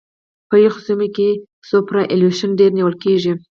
په یخو سیمو کې سوپرایلیویشن ډېر نیول کیږي